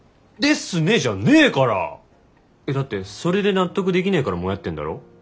「ですね！」じゃねえから！えっだってそれで納得できねぇからモヤってんだろ？